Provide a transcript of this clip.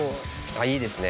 あっいいですね。